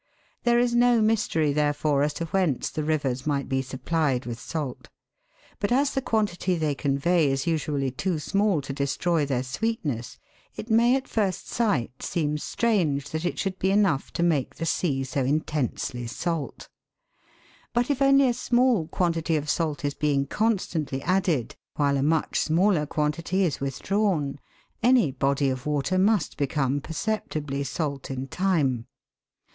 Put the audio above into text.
There is no mystery, therefore, as to whence the rivers might be supplied with salt ; but as the quantity they convey is usually too small to destroy their sweetness, it may at first sight seem strange that it should be .enough to make the sea so intensely salt. But if only a small quantity of salt is being constantly added, while a much smaller quantity is withdrawn, any body of water must become perceptibly salt in time.